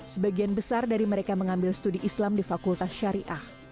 sebagian besar dari mereka mengambil studi islam di fakultas syariah